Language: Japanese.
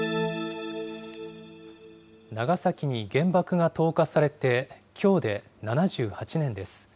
長崎に原爆が投下されて、きょうで７８年です。